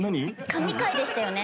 神回でしたよね。